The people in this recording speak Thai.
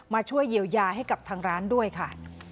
มาช่วยเยียวยาให้กับทางร้านด้วยค่ะ